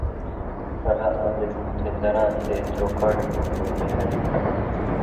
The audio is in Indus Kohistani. ݜلہ ہاریۡ چےۡ دَراں تے چوکاٹہ ہُم نھېلے ہرِلیۡ۔